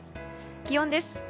気温です。